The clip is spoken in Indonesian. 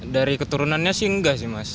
dari keturunannya sih enggak sih mas